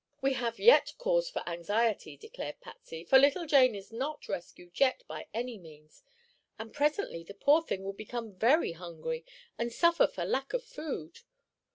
"We have yet cause for anxiety," declared Patsy, "for little Jane is not rescued yet, by any means, and presently the poor thing will become very hungry and suffer for lack of food.